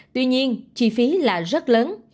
tuy nhiên chi phí là rất lớn